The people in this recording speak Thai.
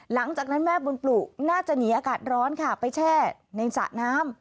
หลังจากนั้นแม่บุญปลูกน่าจะหนีอากาศร้อนค่ะไปแช่ในสระน้ำ